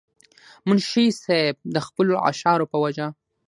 منشي صېب د خپلو اشعارو پۀ وجه